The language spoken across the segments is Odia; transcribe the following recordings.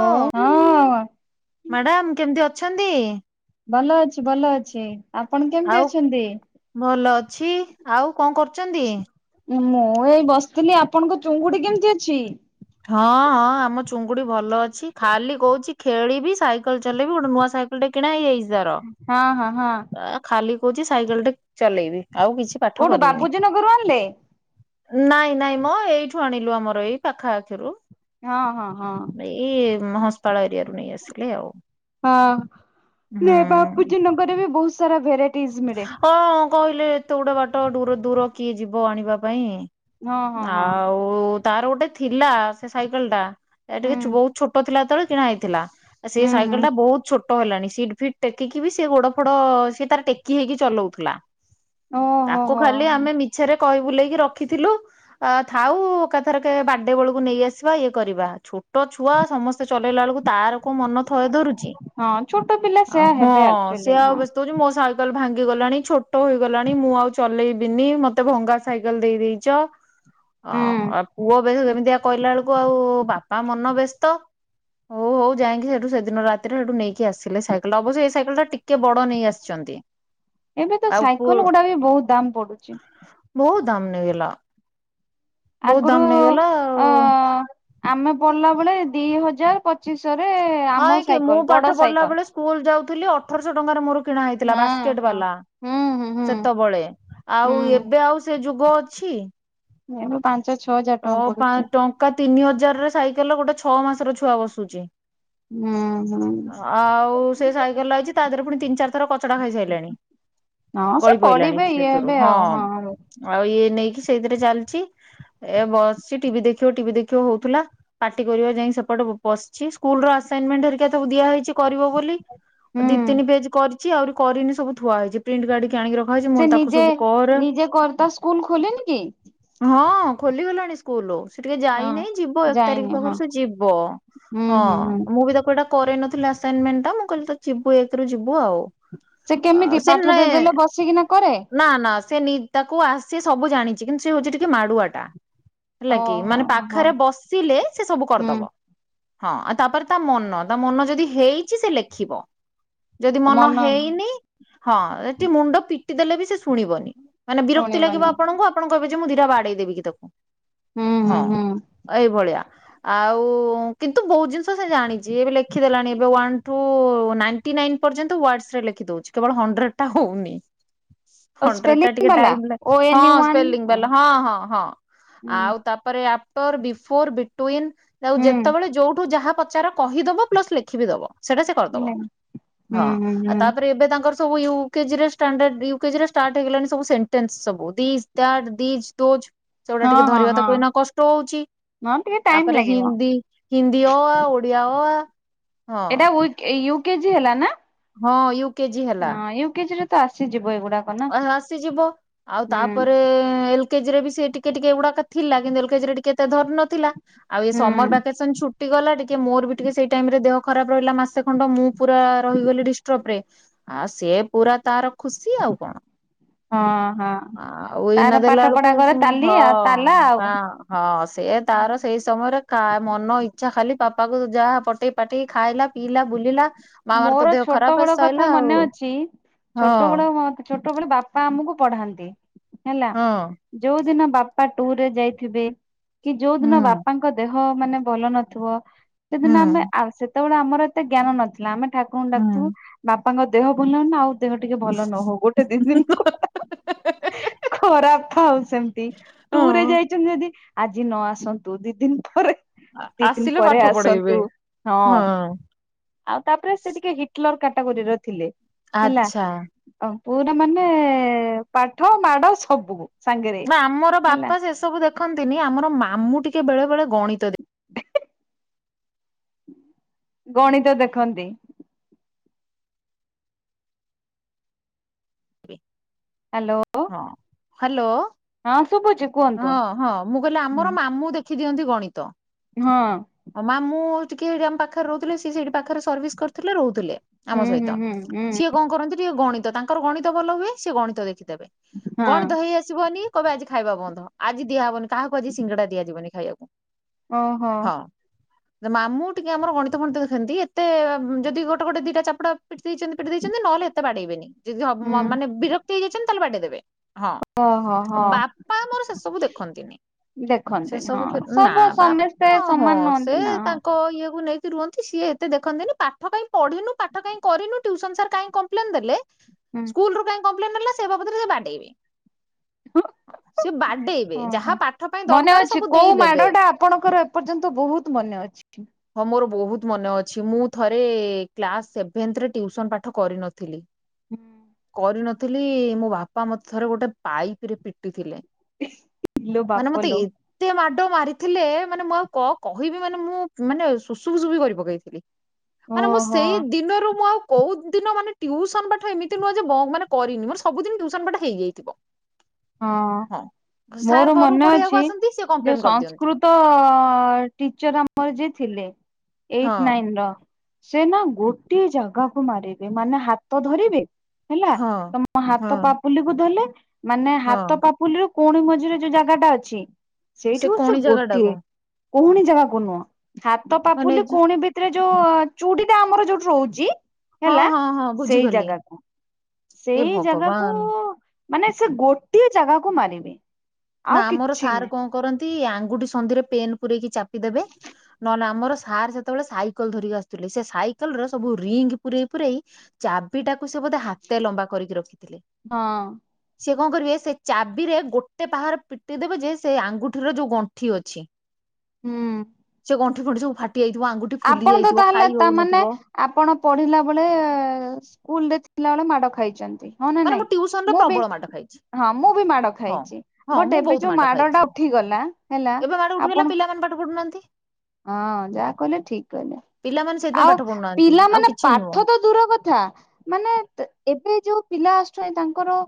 ହଁ ମାଡ଼ାମ କେମିତି ଅଛନ୍ତି? ଭଲ ଅଛି ଭଲ ଅଛି ଆପଣ କେମିତି ଆଉ ଅଛନ୍ତି? ଭଲ ଅଛି। ଆଉ କଣ କରୁଚନ୍ତି? ମୁଁ ଏଇ ବସିଥିଲି, ଆପଣଙ୍କ ଚୁଙ୍ଗୁଡି କେମିତି ଅଛି? ହଁ ହଁ ଆମ ଚୁଙ୍ଗୁଡି ଭଲ ଅଛି, ଖାଲି କୋହୁଚି ଖେଳିବି ସାଇ କଲ୍ ଚଲେଇବି ବି ଗୋଟେ ନୂଆ ସାଇକେଲ ଟେ କିଣା ହେଇଯାଇଚି ତାର ହଁ ହଁ ହଁ ଅଁ ଖାଲି କୋହୁଚି ସାଇକେଲ ଟେ ଚଲେଇବି ଆଉ କିଛି ପାଠ କୋଉଠୁ କରିବିନି। ବାପୁଜୀ ନଗରରୁ ଆଣିଲେ? ନାଇଁ ନାଇଁ ମ ଏଇଠୁ ଆଣିଲୁ ଆମର ଏଇ ପାଖ ଆଖିରୁ। ହଁ ହଁ ହଁ। ଏଇ ମହସ୍ପାଳ ଏରିଆରୁ ନେଇ ଆସିଲେ ଆଉ। ହଁ ହୁଁ। ନାଇଁ ବାପୁଜୀ ନଗରରେ ବି ବହୁତ ସାରା ଭେରାଇଟିଜ୍ ମିଳେ। ହଁ କହିଲେ ଏତେ ଗୁଡେ ବାଟ ଡୁର ଦୂର କିଏ ଯିବ ଆଣିବା ପାଇଁ? ହଁ ହଁ ହଁ ଆଉ ତାର ଗୋଟେ ଥିଲା ସେ ସାଇକେଲ ଟା ଏ ଟିକେ ହୁଁ ଛୁ ଛୋଟୋ ଥିଲା ଯେତୋବେଳେ କିଣା ହେଇଥିଲା। ଆ ସିଏ ହୁଁ ସାଇକେଲ ହୁଁ ଟା ବହୁତ ଛୋଟୋ ହେଲାଣି ସିଟ୍ ଫିଟ୍ ଟେକିକି ବି ସେ ଗୋଡ ଫୋଡ ସିଏ ତାର ଟେକ କି ହେଇକି ଚଲୋଉଥିଲା ଓହୋ ତାକୁ ହୋ। ଖାଲି ଆମେ ମିଛରେ କହି ବୁଲେଇକି ରଖିଥିଲୁ ଆଁ ଥାଉ ଏକାଥରକେ ବାର୍ଡେ ବୋଳୁକୁ ନେଇ ଆସିବା ଇଏ କରିବା ଛୋ ଛୋଟ ଛୁଆ ସମସ୍ତେ ଚଲେଇଲା ବେଳକୁ ତାର କୋଉ ମନ ଥୟ ଧରୁଚି। ହଁ ଛୋଟ ପିଲା ଆଉ ସେୟା ହଁ ହେବେ ଆକ୍ଚୁଆଲି ସିଏ ଆଉ ହଁ ବ୍ୟସ୍ତ ହୋଉଚି ମୋ ସାଇ କଲ୍ ଭାଙ୍ଗି ଗଲାଣି ଛୋଟୋ ହେଇଗଲାଣି ମୁଁ ଆଉ ଚଲେଇବିନି ମତେ ଭଙ୍ଗା ସାଇକେଲ ଦେଇ ଦେଇଚ। ହୁଁ। ହଁ ଆଉ ପୁଅ ବେ ଏମିତିଆ କହିଲା ବେଳକୁ ଆଉ ବାପା ମନ ବେସ୍ତ ହୋଉ ହୋଉ ଯାଇକି ସେଠୁ ସେଦିନ ରାତିରେ ହେଟୁ ନେଇକି ଆସିଲେ ସାଇକେଲ ଟା ଅବଶ୍ୟ ଏ ସାଇକେଲ ଟା ଟିକେ ବଡ ନେଇ ଆସିଛନ୍ତି। ଏବେ ତ ଆଉ ପୁ ସାଇକଲ ଗୁଡା ବି ବହୁତ ଦାମ୍ ପଡୁଚି। ଦାମ୍ ନେଇଗଲା ବହୁତ ଦାମ ଆଗୁରୁ ନେଇଗଲା ଆଉ। ଅଁ ଆମେ ପଢିଲା ବେଳେ ଦିହଜାର ପଚିଶ ହଁ ଏକି ମୁଁ ପାଠ ପଢିଲା ବେଳେ ସ୍କୁଲ ଯାଉଥିଲି ଅଠରଶହ ଟଙ୍କାରେ ମୋର କିଣା ହେଇଥିଲା ହଁ ବାସକେଟ ହଁ। ବାଲା ହୁଁ ହୁଁ ହୁଁ ସେତୋବେଳେ ଆଉ ହୁଁ ଏବେ ଆଉ ସେ ଯୁଗ ଅଛି। ଏବେ ପା ଟ ପା ଟଙ୍କା ତିନି ହଜାରରେ ସାଇକେଲରେ ଗୋଟେ ଛଅ ମାସର ଛୁଆ ବସୁଚି ହୁଁ ହୁଁ ଆଉ ସେ ସାଇକେଲ ଆଇଚି ତା ଦେହରେ ପୁଣି ତିନି, ଚାରି ଥର କଚ ଚଡା ଖାଇସାଇଲାଣି ହଁ ସେ ଗଳି ପଇଲାଣି ପଢିବେ ଇଏ ସେଥିରୁ ହେବେ ହଁ ଆଉ ଆଉ ଇଏ ନେଇକି ସେଇଥିରେ ଚାଲିଚି ଏ ବସିଛି ଟିଭି ଦେଖିବ ଟିଭି ଦେଖିବ ହୋଉଥିଲା ପାଟି କରିବ ଯାଇ ସେପଟେ ବୋ ବସିଛି ସ୍କୁଲ ରୁ ଆସ ଆସାଇନମେଣ୍ଟ ହାରିକା ସଵୁ ଦିଆହେଇଚି କରିବ ବୋଲି ଦି, ହୁଁ। ତିନି ପେଜ କରିଚି ଆହୁରି କରିନି ସବୁ ଥୁଆ ହେଇଚି ପ୍ରିଣ୍ଟ କାଡିକି କି ଆଣିକି ରଖାହେଇଚି ମୁଁ ସେ କହିଲି ତାକୁ ନିଜେ ସବୁ କର ନିଜେ କରି ତା ସ୍କୁଲ ଖୋଲିନି କି? ହଁ। ଖୋଲିଗଲାଣି ସ୍କୁଲ? ସେ ଟିକେ ହଁ ଯାଇନେହିଁ ଯିବ ଏକ ତାରିଖ ଯାଇନି ପାଖରୁ ହଁ ସେ ଯିବ ହୁଁ ହଁ ହୁଁ ହୁଁ। ମୁଁ ବି ତାକୁ ଏଇଟା କରେଇ ନଥିଲା ଆସାଇନମେଣ୍ଟା ମୁଁ କହିଲି ତ ଯିବୁ ଏକଥରୁ ଯିବୁ ସେ ଯିଵୁ କେମିତି ଆଉ ସେ ପାଠ ନେଁ ଦେଇଦେଲେ ବସିକିନା କରେ ନା ନା। ସେ ତାକୁ ଆସି ସବୁ ଜାଣିଛି କିନ୍ତୁ ସେ ହଉଛି ଟିକେ ମାଡୁଆଟା ହେଲା କି ଓହୋ ମାନେ ହଁ ହଁ ପାଖରେ ବସିଲେ ସେ ସବୁ କରିଦବ ହୁଁ। ହଁ ଆଉ ତାପରେ ତା ମନ ତା ମନ ଯଦି ହେଇଛି ସେ ଲେଖିବ ଯଦି ମନ ହେଇନି ହଁ ସେଠି ମୁଣ୍ଡ ପିଟି ଦେଲେ ବି ସେ ଶୁଣିବନି ମାନେ ବିରକ୍ତି ଶୁଣିବନି ଲାଗିବ ହୁଁ ଆପଣଙ୍କୁ ଆପଣ କହିବେ ଯେ ମୁଁ ଦିଟା ବାଡେଇ ଦେବି କି ତାକୁ। ହଁ ହୁଁ ହୁଁ। ଏଇ ଭଳିଆ ଆଉ କିନ୍ତୁ ବହୁତ ଜିନିଷ ସେ ଜାଣିଛି ଏବେ ଲେଖିଦେଲାଣି ଏବେ ୱାନ ଠୁ ନାଇନଟିନାଇ ପର୍ଯ୍ୟନ୍ତ ୱାଡସରେ ଲେଖି ଦଉଛି କେବଳ ହଣ୍ଡ୍ରେଡ ଟା ହଉନି। ହଣ୍ଡ୍ରେଡଟା ଟିକେ ଟାଇମ ଲା ହଁ ସ୍ପେଲିଙ୍ଗ ବାଲା ହଁ ହଁ ହଁ। ଆଉ ତାପରେ ଆଫ୍ଟର, ବିଫୋର, ବିଟଉଇନ୍ ତାକୁ ଯେତେବେଳେ ଯୋଉଠୁ ଯାହା ପଚାର କହିଦବ ପ୍ଲସ ଲେଖି ବିି ଦବ ସେଇଟା ସେ କରିଦବ ହଁ ତାପରେ ଏବେ ତାଙ୍କର ସବୁ ୟୁ କେଜିରେ ଷ୍ଟାଣ୍ଡାର୍ଡ ୟୁ କେଜିରେ ଷ୍ଟାର୍ଟ ହେଇଗଲାଣି ସବୁ ସେଣ୍ଟେନ୍ସ ସବୁ ଡ଼ିସ ଦ୍ୟାଟ ଦିଜ ଦୋଜ। ସେଗୁଡା ହଁ ଟିକେ ହଁ ଧରିବା ହଁ ତାକୁ ଏଇନା କଷ୍ଟ ହଉଛି ହଁ ଟିକେ ଟାଇମ ତାପରେ ଲାଗିବ। ହିନ୍ଦୀ ହିନ୍ଦୀ ଅ, ଆ ଓଡିଆ ଅ, ଆ ଏଇଟା ହଁ। କେଜି ହେଲା ନା? ହଁ ୟୁ କେଜି ହେଲା ନାଁ ୟୁକେଜିରେ ତ ଆସିଯିବ। ଏଗୁଡାକ ନା। ଆସିଯିବ ଆଉ ହୁଁ ତାପରେ ଏଲ କେଜିରେ ବି ସେ ଟିକେ ଟିକେ ଏଗୁଡାକ ଥିଲା କିନ୍ତୁ ଏଲକେଜିରେ ଟିକେ ଏତେ ଧରି ନଥିଲା। ଆଉ ଏ ହୁଁ ସମର ଭ୍ୟାକେସନ ଛୁଟି ଗଲା ଟିକେ ମୋର ବି ଟିକେ ସେଇ ଟାଇମରେ ଦେହ ଖରାପ ରହିଲା ମାସେ ଖଣ୍ଡ ମୁଁ ପୁରା ରହିଗଲି ଡିଷ୍ଟର୍ବରେ ଆଉ ସେ ପୁରା ତାର ଖୁସି ଆଉ କଣ। ହଁ ହଁ। ଆଉ ତାର ଏଇନା ପାଠ ଦେଲା ପଢା ବେଳକୁ ଘରେ ତାଲି ଆଉ ତାଲା ଆଉ ହଁ ହଁ ସେ ତାର ସେଇ ସମୟରେ କା ମନ ଇଚ୍ଛା ଖାଲି ବାପା କୁ ଯାହା ପଟେଇ ପାଟେଇ ଖାଇଲା ପିଇଲା ବୁଲିଲା। ମାମାର ତ ମୋର ଦେହ ଛୋଟ ଖରାପ ବେଳ ସଇଲା କଥା ଆଉ ମନେ ଅଛି ହଁ ଛୋଟ ବେଳ ମୋ ବେଳେ ବାପା ଆମକୁ ପଢାନ୍ତି ହେଲା ହଁ ଯୋଉ ଦିନ ବାପା ଟୁରରେ ଯାଇଥିବେ କି ଯୋଉ ହୁଁ ଦିନ ବାପାଙ୍କ ଦେହ ମାନେ ଭଲ ନଥିବ ହୁଁ ସେଦିନ ଆମେ ସେତେବେଳେ ଆମର ଏତେ ଜ୍ଞାନ ନଥିଲା ଆମେ ଠାକୁରଙ୍କୁ ହୁଁ ଡାକୁଥିବୁ ବାପା ତାଙ୍କ ଦେହ ଭଲ ହଉ ନା ଆଉ ଦେହ ଟିକେ ଭଲ ନ ହଉ ଗୋଟେ ଦି ଦିନ ଖରା ଥାଉ ସେମିତି ହଁ। ଟୁରେ ଯାଇଛନ୍ତି ଯଦି ଆଜି ନ ଆସନ୍ତୁ ଦି ଦିନ ପରେ ଦି ଦିନ ଆସିଲେ ପରେ ପାଠ ପଢେଇବେ। ଆସନ୍ତୁ ହଁ। ଆଉ ତାପରେ ସେ ଟିକେ ହିଟଲର କାଟାଗୋରୀର ଥିଲେ। ହେଲା ଆଚ୍ଛା। ପୁରା ମାନେ ପାଠ ମାଡ ସବୁ ସାଙ୍ଗରେ ନା ଆମର ହେଲା ବାପା ସେସବୁ ଦେଖନ୍ତିନି ଆମର ମାମୁଁ ଟିକେ ବେଳେ ବେଳେ ଗଣିତ ଦ ଗଣିତ ଦେଖନ୍ତି। ହ୍ୟାଲୋ। ହଁ ହ୍ୟାଲୋ ହଁ ଶୁଭୁଛି କୁହନ୍ତୁ ହଁ ହଁ ମୁଁ କହିଲି ଆମର ହୁଁ ମାମୁଁ ଦେଖ ଦେଖି ଦିଅନ୍ତି ଗଣିତ ହଁ ମାମୁଁ ଟିକେ ଆମ ପାଖରେ ରହୁଥିଲେ ସିଏ ସେଇଠି ପାଖରେ ସର୍ଭିସ୍ କରିଥିଲେ ରହୁଥିଲେ ଆମ ହୁଁ ସହିତ ହୁଁ ହୁଁ ହୁଁ ସିଏ କଣ କରନ୍ତି ଟିକେ ଗଣିତ ତାଙ୍କର ଗଣିତ ଗ ଭଲ ହୁଏ ସେ ଗଣିତ ଦେଖିଦେବେ ହଁ ଗଣିତ ହେଇ ଆସିବନି କବେ ଆଜି ଖାଇବା ବନ୍ଧ ଆଜି ଦିଆ ହବନି କାହା ଆଜି ସିଙ୍ଗଡ଼ା ଦିଆ ଯିବନି ଖାଇଆକୁ ଓହୋ। ମାମୁ ଟିକେ ଆମର ଗଣିତ ଫଣିତ ଦେଖନ୍ତି ଏତେ ଯଦି ଗୋଟେ ଗୋଟେ ଦିଟା ଚାପୁଡା ପିଟି ଦେଇଛନ୍ତି ପିଟି ଦେଇଛନ୍ତି ନହେଲେ ଏତେ ବାଡେଇବେନି ଯଦି ହୁଁ ମାନେ ବିରକ୍ତି ହେଇଯାଇଛନ୍ତି ତାହେଲେ ବାଡେଇ ଦେବେ। ହଁ ଓହୋ ହଁ ବାପା ଆମର ସେ ସବୁ ଦେଖନ୍ତିନି। ସେ ଦେଖନ୍ତିନି ହଁ ସବୁ ନା ସମସ୍ତେ ବାପା ହଁ ସମାନ ସେ ନୁହନ୍ତି ନା ତାଙ୍କ ଇଏ କୁ ନେଇ ରୁହନ୍ତି ସିଏ ଏତେ ଦେଖନ୍ତିନି ପାଠ କାଇଁ ପଢିନୁ ପାଠ କାଇଁ କରିନୁ ଟିଉସନ ସାର୍ କାଇଁ କମ୍ପ୍ଲେନ ଦେଲେ? ହୁଁ ସ୍କୁଲ ରୁ କାଇଁ କପ୍ଲେନ ଆଇଲା ସେ ବାବଦରେ ସେ ବାଡେଇବେ। ସେ ବାଡେଇବେ ହଁ। ଓ ଯାହା ହୋ ପାଠ ପାଇଁ ମନେ ଦରକାର ଅଛି ସବୁ କୋଉ ଦେଇଦେବେ। ମାଡ ଟା ଆପଣଙ୍କର ଏପର୍ଯ୍ୟନ୍ତ ବହୁତ ମ ମନେ ଅଛି? ହଁ ମୋର ବହୁତ ମନେ ଅଛି ମୁଁ ଥରେ କ୍ଲାସ ସେଭେନ ଯେ ରେ ଟିଉସନ ପାଠ କରିନଥିଲି। ହୁଁ। କରିନଥିଲି ମୋ ବାପା ମତେ ଥରେ ଗୋଟେ ପାଇପ ରେ ପିଟିଥିଲେ। ଇଲୋ ମାନେ ମତେ ବାପଲୋ ଏତେ ମା ଡ ମାରିଥିଲେ ମାନେ ମୁଁ କ କହିବି ମାନେ ମୁଁ ମାନେ ସୁସୁ ଫୁସୁ ବି କରି ପକେଇଥିଲି। ମାନେ ମୁଁ ଓହୋ ସେଇ ଦିନରୁ ମୁଁ ଆଉ କୋଉ ଦିନ ମାନେ ଟିଉସନ ପାଠ ଏମିତି ନୁହେଁ ଯେ ମାନେ କରିନି ମୋର ସବୁଦିନ ଟ୍ୟୁସନ ପାଠ ହେଇଯାଇଥିବ। ହଁ ହଁ ସାର୍ ମୋର ଘରକୁ ମନେ ପଢେଇବାକୁ ଅଛି। ଆସନ୍ତି ସେ କମ୍ପ୍ଲେନ ଯୋଉ କରିଦିଅନ୍ତି। ସଂସ୍କୃତ ଟିଚର ଆମର ଯିଏ ଥିଲେ। ଏଇଟ ହଁ ନାଇନ ର। ସେ ନା ଗୋଟେ ଜାଗାକୁ ମାରିବେ ମାନେ ହାତ ଧରିବେ। ହେଲା ହଁ ତମ ହଁ ହାତ ପାପୁଲି କୁ ଧରିଲେ ମାନେ ହଁ ହାତ ପାପୁଲିରୁ କୋହୁଣି ମଝିରେ ଯୋଉ ଜାଗାଟା ଅଛି ସେଇଠି ସେ କଣି ବସିକି ଜାଗା ଗୋଟିଏ। ଟାକୁ କୋହୁଣି ଯିବାକୁ ନୁହଁ ହାତ ପାପୁଲି ମାନେ କୋହୁଣି ଭିତରେ ଯୋଉ ଚୁଡିଟା ଆମର ଯୋଉଠି ରହୁଛି ହଁ ହେଲା ହଁ ହଁ ସେଇ ବୁଝିଗଲି ଜାଗାକୁ। ଏ ସେଇ ଜାଗାକୁ ଭଗବାନ ମାନେ ସେ ଗୋଟିଏ ଜାଗାକୁ ମାରିବେ। ନା ଆଉ ଆମର କିଛି ସାର୍ ନାହିଁ କଣ କରନ୍ତି? ଆଙ୍ଗୁଠି ସନ୍ଦିରେ ପେନ୍ ପୁରେଇକି ଚାପି ଦେବେ ନହେଲେ ଆମର ସାର୍ ସେତେବେଳେ ସାଇକେଲ ଧରିକି ଆସୁଥିବେ। ସାଇକେଲ ର ସବୁ ରିଙ୍ଗ ପରେଇ ପୁରେଇ ଚାବିଟା ସେ ବୋଧେ ହାତ ଲମ୍ବା କରିକି ରଖିଥିଲେ ହଁ ସେ କଣ କରିବେ ସେ ଚାବିରେ ଗୋଟେ ଗୋଟେ ପାହାରେ ପିଟି ଦେବେ ଯେ ସେ ଆଙ୍ଗୁଠିର ଯୋଉ ଗଣ୍ଠି ଅଛି। ହୁଁ। ସେ ଗଣ୍ଠି ଫଣ୍ଠି ସବୁ ଫା ଆପଣ ତ ତାହେଲେ ତାମାନେ ଆପଣ ପଢିଲା ବେଳେ ସ୍କୁଲରେ ଥିଲା ବେଳେ ମାଡ ଖାଇଛନ୍ତି ହଁ ନା ମାନେ ମୁଁ ନାଇଁ ଟିଉସନରେ ମୁଁ ବି ପ୍ରବଳ ମାଡ ଖାଇଛି ହଁ ମୁଁ ବି ମାଡ ହଁ ଖାଇଛି ହଁ ମୁଁ ବଟ ଏବେ ବହୁତ ଯୋଉ ମାଡ ଖାଇଛି ଟା ଉଠିଗଲା ହେଲା ଏବେ ମାଡ ଉଠିଗଲା ଆପଣ ପିଲାମାନେ ପାଠ ପଢୁ ନାହାନ୍ତି। ହଁ ଯାହା କହିଲେ ଠିକ କହିଲେ। ପିଲାମାନେ ସେଇଥିପାଇଁ ପାଠ ଆଉ ପଢୁନାହାନ୍ତି ଆଉ ପିଲାମାନେ କିଛି ନୁହଁ। ପାଠ ତ ଦୂର କଥା ମାନେ ଏ ଯୋଉ ପିଲା ଆସୁଛନ୍ତି ତାଙ୍କର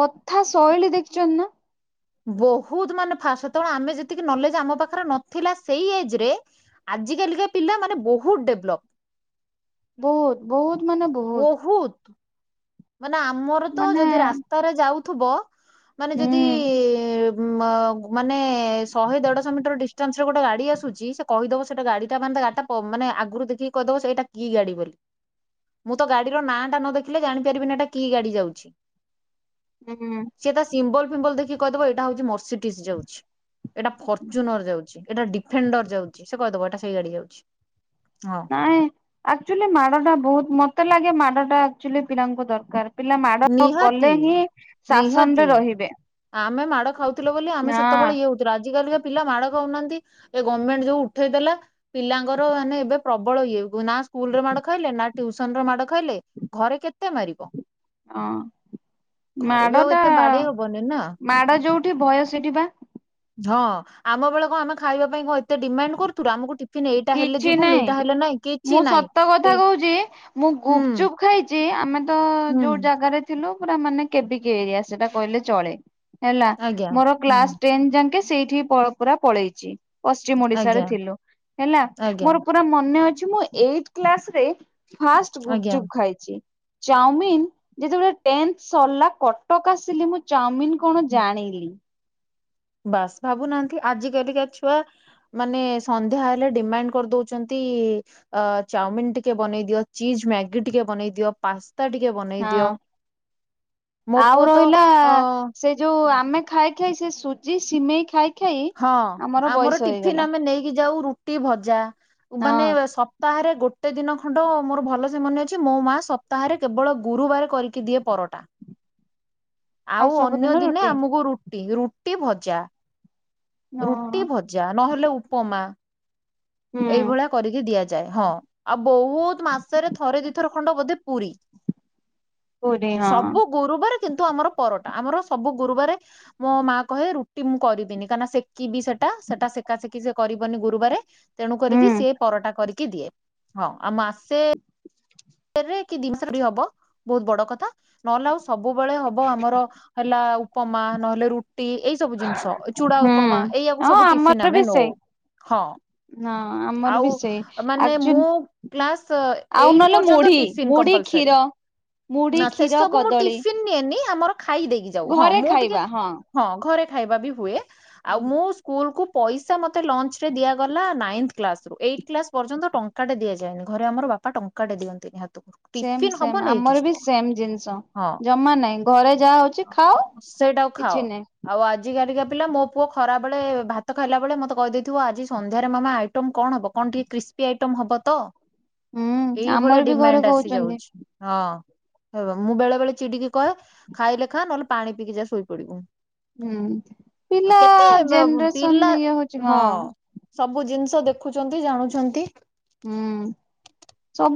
କଥା ଶୈଳୀ ଦେଖିଛନ୍ତି ନା। ବହୁତ ମାନେ ଫାଷ୍ଟ ସେ ତଳେ ଆମେ ଯେତିକି ନଲେଜ ଆମ ପାଖରେ ନଥିଲା ସେଇ ଏଜ ରେ ଆ ଆଜିକାଲିକା ପିଲାମାନୋନେ ବହୁତ ଡେଭଲପ୍। ବହୁତ ବହୁତ। ବହୁତ। ମାନେ ଆମର ତ ମାନେ ଯଦି ରାସ୍ତାରେ ଯାଉଥିବ ମାନେ ଯଦି ହୁଁ ଉ ମାନେ ଶହେ ଦେଢଶହ ମିଟର ଡିଷ୍ଟାନ୍ସ ରେ ଗୋଟେ ଗାଡି ଆସୁଛି ସେ କହିଦବ ସେଟା ଗାଡି ଟା ମାନେ ଗାଡିଟା ମାନେ ଆଗରୁ ଦେଖିକି କହିଦବ ସେଇଟା କି ଗାଡି ବୋଲି? ମୁଁ ତ ଗାଡିର ନାଁ ଟା ନ ଦେଖିଲେ ଜାଣି ପାରିବିନି କି ଗାଡି ଯାଉଛି। ହୁଁ ସେ ତା ସିମ୍ବଲ ମ୍ବଲ ଦେଖି କହିଦେବ ଏଇଟା ହଉଛି ମର୍ସିଡିସ୍ ଯାଉଛି। ଏଇଟା ଫର୍ଚୁନର ଯାଉଛି ଏଇଟା ଡିଫେଣ୍ଡର ଯାଉଛି ସେ କହିଦବ ଏଇଟା ସେଇ ଗାଡି ଯାଉଛି। ହଁ ନାଇଁ ଆକ୍ଚୁଆଲି ମାଡ ଟା ବହୁତ ମତେ ଲାଗେ ମାଡ ଟା ଆକ୍ଚୁଆଲି ପିଲାଙ୍କୁ ଦରକାର। ପିଲା ମାଡ ନିହାତି କଲେ ହିଁ ନିହାତି ଶାସନରେ ରହିବେ। ଆମେ ମାଡ଼ ଖାଉଥିଲୁ ବୋଲି ଆମେ ହଁ ସେତେବେଳେ ଇଏ ହଉଥିଲୁ ଆଜିିକାଲିକା ପିଲା ମାଡ ଖାଉନାହାନ୍ତି ଏ ଗମେଣ୍ଟ ଯୋଉ ଉଠେଇଦଲା ପିଲାଙ୍କର ମାନେ ଏବେ ପ୍ରବଳ ଇଏ ନା ସ୍କୁଲରେ ମାଡ ଖାଇଲେ ଟ୍ୟୁସନ ମାଡ ଖାଇଲେ ଘରେ କେତେ ମାରିବ। ହଁ। ଘରେ ବି ମାଡ ଆଉ ଟା ଏତେ ବାଡେଇ ହବନି ନା ମାଡ ଯୋଉଠି ଭୟ ସେଠି ପା। ହଁ ଆମ ବେଳେ କଣ ଆମେ ଖାଇବା ପାଇଁ କ ଏତେ ଡିମାଣ୍ଡ କରୁଥୁଲୁ। ଆମକୁ ଟିଫିନ ଏଇଟା ହେଲେ କିଛି ଯିବୁନି ନାହିଁ ଏଇଟା ହେଲେ ନାଇଁ କିଛି ମୁଁ ନାଇଁ ସତ କଥା ଟି କହୁଛି ମୁଁ ହୁଁ ଗୁପଚୁପ ଖାଇଛି ଆମେ ତ ହୁଁ ଯୋଉ ଜାଗାରେ ଥିଲୁ ପୁରା ମାନେ କେ ବି କେ ଏରିଆ ସେଟା କହିଲେ ଚଳେ। ହେଲା ଆଜ୍ଞା ମୋର ହୁଁ କ୍ଲାସ ଟେନ ଯାଙ୍କେ ସେଇଠି ପୁରା ପଳେଇଛି ପସ୍ ପଶ୍ଚିମ ଓଡ଼ିଶା ରେ ଆଜ୍ଞା ଥିଲୁ। ହେଲା ଆଜ୍ଞା ମୋର ପୁରା ମନେ ଅଛି ମୁଁ ଏଇଟ୍ କ୍ଲାସ୍ ରେ ଫାଷ୍ଟ ଆଜ୍ଞା ଗୁପଚୁପ୍ ଖାଇଚି। ଚାଉମିନ ଯେତେବେଳେ ଟେନ୍ଥ ସରିଲା କଟକ ଆସିଲି ମୁଁ ଚାଉମିନ କଣ ଜାଣିଲି। ବାସ୍ ଭାବୁନାହାନ୍ତି ଆଜି କାଲିକା ଛୁଆ ମାନେ ସନ୍ଧ୍ୟା ହେଲେ ଡିମାଣ୍ଡ କରିଦଉଛନ୍ତି ଚାଉମିିନ ଟିକେ ବନେଇ ଦିଅ ଚିଜ୍ ମ୍ୟାଗି ଟିକେ ବନେଇ ଦିଅ ପାସ୍ ହଁ ମୋ ଆଉ ପୁଅ ତ ରହିଲା ଅ ସେ ଯୋଉ ଆପ୍ ଆମେ ଖାଇ ଖାଇ ସେ ସୁଜି ସିମେଇ ଖାଇକି ହଁ ଆମର ଟିଫିନ ଆମେ ନେଇକି ଯାଉ ରୁଟି ଭଜା। ହଁ ମାନେ ସପ୍ତାହରେ ଗୋଟେ ଦିନ ଖଣ୍ଡ ମୋର ଭଲ ସେ ମନେ ଅଛି ମୋ ମା ସପ୍ତାହରେ କେବଳ ଗୁରୁବାର କରିକି ଦିଏ ପରଟା। ଆଉ ଅନ୍ୟ ସବୁଦିନ ଦିନେ ରୁଟି ଆମକୁ ରୁଟି, ରୁଟି ଭଜା। ହଁ। ରୁଟି ଭଜା ନହେଲେ ଉପମା। ହୁଁ ଏଇଭଳିଆ କରିକି ଦିଆଯାଏ। ହଁ ଆଉ ବହୁତ ମାସରେ ଥରେ ଦୁଇଥର ଖଣ୍ଡ ବୋଧେ ପୁରି। ପୁରୀ ହଁ ସବୁ ଗୁରୁବାରେ କିନ୍ତୁ ଆମର ପରଟା। ଆମର ସବୁ ଗୁରୁବାର ମୋ ମା କହେ ରୁଟି ମୁଁ କରିବିନି କାହିଁକିନା ସେକିବି ସେଠ ସେଟା ସେଟା ସେକା ସେକି ସେ କରିବନି ଗୁରୁବାରେ ତେଣୁ କରିକି ହୁଁ ସିଏ ପରଟା କରିକି ଦିଏ। ହଁ ଆଉ ମାସେ କେରେ କି ଦିମାସ ରେ ହବ ବହୁତ ବଡ କଥା। ନହେଲେ ଆଉ ସବୁବେଳେ ହବ ଆମର ହେଲା ଉପମା ନହେଲେ ରୁଟି ଏଇ ସବୁ ଜିନିଷ ଚୁଡା ହୁଁ ଉପମା ଏଇଆକୁ ହଁ ସବୁ ଟିଫିନ୍ ଆମର ଆମେ ବି ନଉ। ସେଇ। ହଁ ହଁ ଆମର ଆଉ ବି ସେଇ ମାନେ ଆକ୍ଚୁଆଲି ମୁଁ କ୍ଲାସ୍ ଆଉ ଏଇଟ୍ ନହେଲେ ପର୍ଯ୍ୟନ୍ତ ପର୍ଯ୍ୟନ୍ତ ମୁଁ ମୁଢି ଟିଫିନ୍ ମୁଢି କମ୍ପଲସରି। କ୍ଷୀର ମୁଢି ନା କ୍ଷୀର ସେସବୁ ମୁଁ କଦଳୀ ଟିଫିନ୍ ନିଏନି ଆମର ଖାଇ ଦେଇକି ଯାଉ। ହଁ ଘରେ ମୁଁ ଟିକେ ଖାଇବା ହଁ ଘରେ ଖାଇବା ବି ହୁଏ। ଆଉ ମୁଁ ସ୍କୁଲ କୁ ପଇସା ମୋତେ ଲଞ୍ଚ ରେ ଦିଆଗଲା ନାଇନ୍ଥ କ୍ଲାସ ରୁ ଏଇଟ୍ କ୍ଲାସ ପର୍ଯ୍ୟନ୍ତ ଟଙ୍କାଟେ ଦିଆଯାଏନି ଘରେ ଆମର ବାପା ଟଙ୍କା ଟଙ୍କା ଟେ ଦିଅନ୍ତିନି ହାତ୍ ସେମ ସେମ ଆମର ବି ସେମ ଜିନିଷ ହଁ ଜମା ନାହିଁ ଘରେ ଯାହା ହଉଛି ଖାଓ ସେଇଟାକୁ ଖାଅ ଆଉ ଆଜିକାଲିକା ପିଲା ମୋ ପୁଅ ଖରାବେଳେ ଭାତ ଖାଇଲା ବେଳେ ମତେ କହିଦେଇଥିବ ଆଜି ସନ୍ଧ୍ୟାରେ ମାମା ଆଇଟମ୍ କଣ ହବ କଣ ଟିକେ କ୍ରିସ୍ପି ପି ଆଇଟମ ହବ ତ? ହୁଁ ଏଇଭଳିଆ ଆମର ବି ଘରେ ଡିମାଣ୍ଡ ଆସି କହୁଛନ୍ତି। ଯାଉଛି ହଁ। ହବ ମୁଁ ବେଳେ ବେଳେ ଚିଡିକି କହେ ଖାଇଲେ ଖାଏ ନହେଲେ ପାଣି ପିଇକି ଯା ଶୋଇପଡିବୁ। ହୁଁ ପିଲା କେତେ ପିଲା ଜେନେରେସନ ଇଏ ହଉଛି ହଁ ସବୁ ଜିନିଷ ତ ଦେଖୁଛନ୍ତି ଜାଣୁଛନ୍ତି ହୁଁ। ସବୁ